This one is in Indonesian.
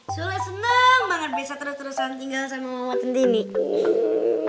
sule seneng banget bisa terus terusan tinggal sama mama centiniku